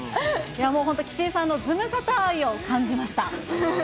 本当、岸井さんのズムサタ愛を感じました。